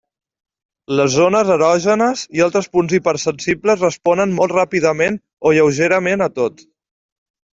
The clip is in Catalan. Les zones erògenes i altres punts hipersensibles responen molt ràpidament o lleugerament a tot.